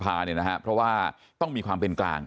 ประธานวัฒนศพาเนี่ยนะฮะเพราะว่าต้องมีความเป็นกลาง